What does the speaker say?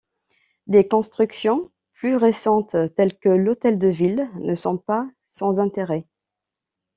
Des constructions plus récentes, telles que l'hôtel de ville, ne sont pas sans intérêt.